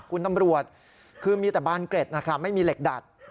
คุณตำรวจคือมีแต่บานเกร็ดนะครับไม่มีเหล็กดัด